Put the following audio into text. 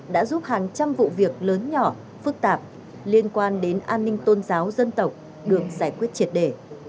đã giúp hàng trăm vụ việc lớn nhỏ phức tạp liên quan đến an ninh tôn giáo dân tộc được giải quyết triệt đề